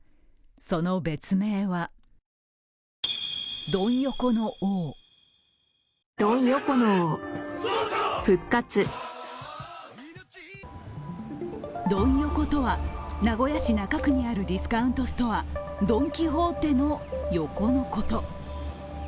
その別名はドン横とは名古屋市中区にあるディスカウントストアドン・キホーテの横のこと。